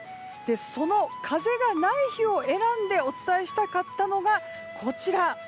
その風がない日を選んでお伝えしたかったのがこちら。